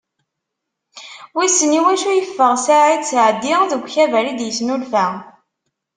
Wissen iwacu yeffeɣ Ssaɛid Seɛdi seg ukabar i d-yesnulfa.